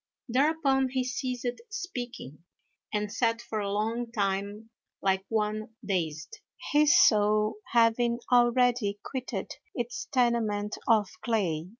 Thereupon he ceased speaking, and sat for a long time like one dazed, his soul having already quitted its tenement of clay.